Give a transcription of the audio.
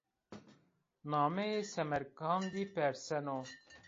Nameyê Semerkandî perseno